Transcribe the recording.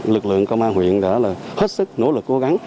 lực lượng công an huyện đã hết sức nỗ lực cố gắng